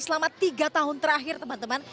selama tiga tahun terakhir teman teman